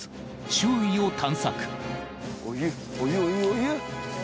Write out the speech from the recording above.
周囲を探索。